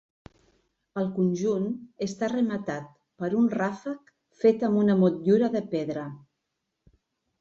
El conjunt està rematat per un ràfec fet amb una motllura de pedra.